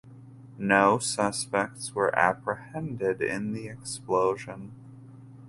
No suspects were apprehended in the explosion.